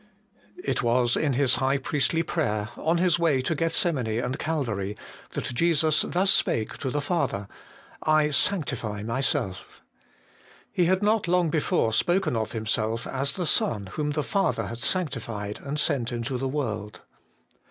IT was in His High priestly prayer, on His way to Gethsemane and Calvary, that Jesus thus spake to the Father :' I sanctify myself.' He had not long before spoken of Himself as 'the Son whom the Father hath sanctified and sent into the world.'